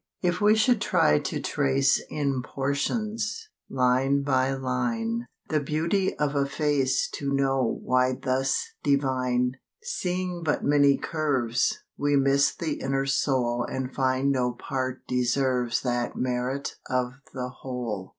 If we should try to trace In portions, line by line, The beauty of a face To know why thus divine, Seeing but many curves, We miss the inner soul And find no part deserves That merit of the whole.